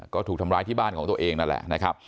ก็ถูกทำร้ายที่บ้านของตัวเองนั่นแหละนะครับ